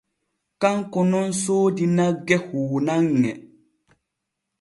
Kanko nun soodi nagge huunanŋe.